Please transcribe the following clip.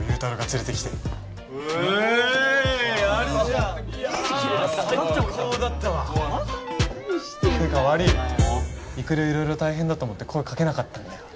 つうか悪い育色々大変だと思って声かけなかったんだよ